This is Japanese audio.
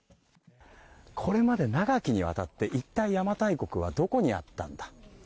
これまで長きにわたって一体、邪馬台国はどこにあったのか。